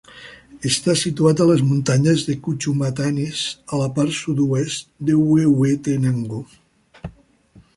Està situat a les muntanyes de Cuchumatanes a la part sud-oest de Huehuetenango.